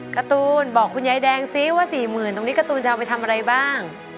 การ์ตูนบอกคุณยายแดงซิว่า๔๐๐๐ตรงนี้การ์ตูนจะเอาไปทำอะไรบ้าง